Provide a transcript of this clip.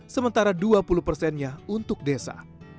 sementara dua puluh persennya untuk desa